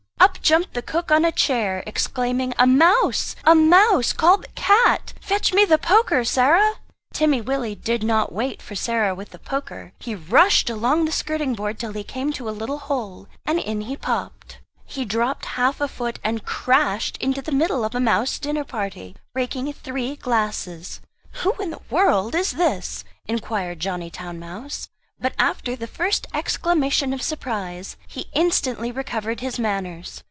Up jumped the cook on a chair, exclaiming "A mouse! a mouse! Call the cat! Fetch me the poker, Sarah!" Timmy Willie did not wait for Sarah with the poker; he rushed along the skirting board till he came to a little hole, and in he popped. He dropped half a foot, and crashed into the middle of a mouse dinner party, breaking three glasses. "Who in the world is this?" inquired Johnny Town mouse. But after the first exclamation of surprise he instantly recovered his manners.